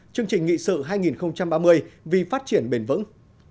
chương trình nghị sự hai nghìn ba mươi vì phát triển bền vững